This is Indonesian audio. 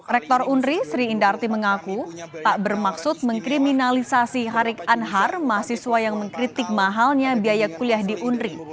rektor unri sri indarti mengaku tak bermaksud mengkriminalisasi harik anhar mahasiswa yang mengkritik mahalnya biaya kuliah di unrik